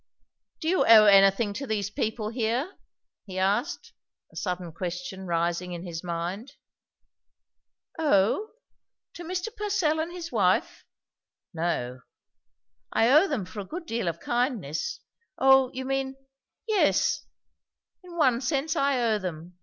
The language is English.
"Do you owe anything to these people here?" he asked, a sudden question rising in his mind. "Owe? To Mr. Purcell and his wife? No. I owe them for a good deal of kindness. O! you mean Yes, in one sense I owe them.